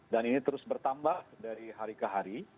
dan ini terus bertambah dari hari ke hari